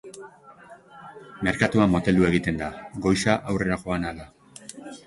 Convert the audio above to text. Merkatua moteldu egin da, goiza aurrera joan ahala.